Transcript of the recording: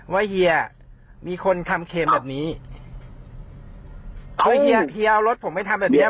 ว่าเฮียมีคนทำเครมแบบนี้เฮียเอารถผมไปทำแบบเนี้ย